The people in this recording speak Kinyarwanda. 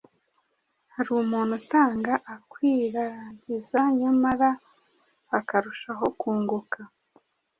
Hari umuntu utanga akwiragiza, nyamara akarushaho kunguka;